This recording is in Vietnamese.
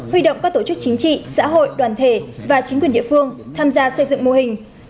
huy động các tổ chức chính trị xã hội đoàn thể và chính quyền địa phương tham gia xây dựng mô hình